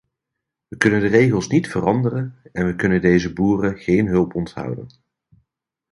We kunnen de regels niet veranderen en we kunnen deze boeren geen hulp onthouden.